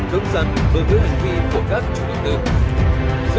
cấm rắn với hành vi của các chủ động tư